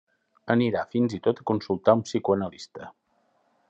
Anirà fins i tot fins a consultar un psicoanalista.